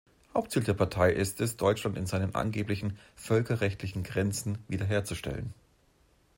Hauptziel der Partei ist es, Deutschland in seinen angeblichen "„völkerrechtlichen Grenzen“" wiederherzustellen.